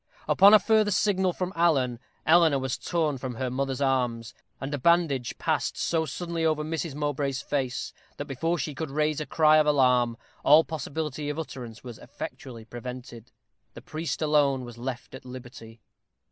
Upon a further signal from Alan, Eleanor was torn from her mother's arms, and a bandage passed so suddenly over Mrs. Mowbray's face, that, before she could raise a cry of alarm, all possibility of utterance was effectually prevented. The priest alone was left at liberty.